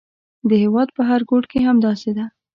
د هېواد په هر ګوټ کې همداسې ده.